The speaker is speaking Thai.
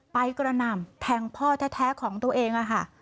ไปกระนำแทงพ่อแท้ของตัวเอง